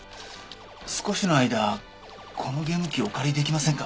少しの間このゲーム機お借りできませんか？